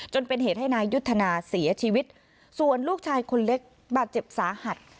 จนเป็นเหตุให้นายยุทธนาเสียชีวิตส่วนลูกชายคนเล็กบาดเจ็บสาหัส